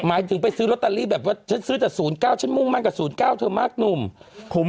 หมายถึงไปซื้อลอตเตอรี่แบบว่าฉันซื้อจาก๐๙ฉันมุ่งมั่นกับ๐๙เธอมากหนุ่ม